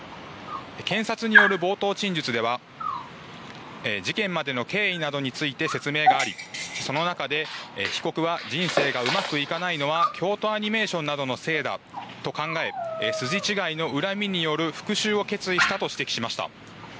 検察による冒頭陳述では、事件までの経緯などについて説明があり、その中で、被告は、人生がうまくいかないのは、京都アニメーションなどのせいだと考え、筋違いの恨みによる復しゅうを決意したと指摘しました。